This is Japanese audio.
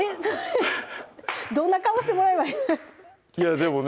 どんな顔してもらえばいいいやでもね